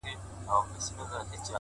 ستا دي قسم په ذوالجلال وي!